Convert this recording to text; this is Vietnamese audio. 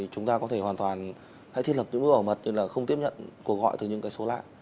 chúng ta có thể hoàn toàn hãy thiết lập những bước bảo mật như là không tiếp nhận cuộc gọi từ những cái số lạ